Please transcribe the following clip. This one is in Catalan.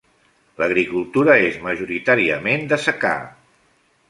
L'agricultura és majoritàriament de secà.